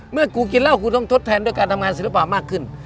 เมื่อกูกินเหล้ากูต้องทดแทนด้วยการทำงานศิลปะมากขึ้น